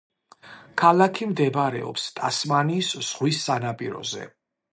ქალაქი მდებარეობს ტასმანიის ზღვის სანაპიროზე.